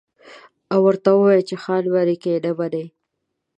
او ورته ووايي چې خانه منې که يې نه منې.